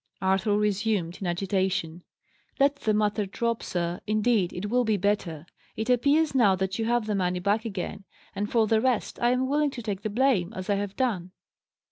Arthur resumed, in agitation: "Let the matter drop, sir. Indeed, it will be better. It appears, now, that you have the money back again; and, for the rest, I am willing to take the blame, as I have done."